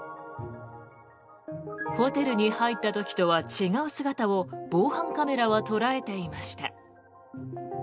ホテルに入った時とは違う姿を防犯カメラは捉えていました。